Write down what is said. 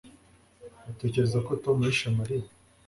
Utekereza ko Tom yishe Mariya